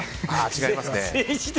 違います。